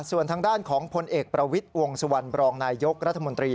ส่วนทางด้านของพลเอกประวิทย์วงสุวรรณบรองนายยกรัฐมนตรี